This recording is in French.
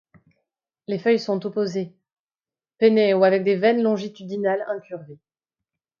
Les feuilles sont opposées, pennées ou avec des veines longitudinales incurvées.